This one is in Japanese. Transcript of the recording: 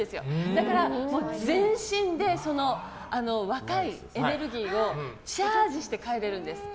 だから、全身で若いエネルギーをチャージして帰れるんです。